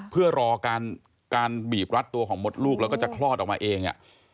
เพื่อรอการบีบรัดตัวของมดลูกแล้วก็จะคลอดออกมาเอง